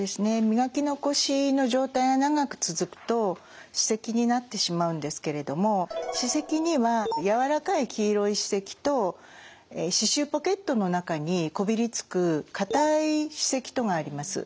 磨き残しの状態が長く続くと歯石になってしまうんですけれども歯石には軟らかい黄色い歯石と歯周ポケットの中にこびりつく硬い歯石とがあります。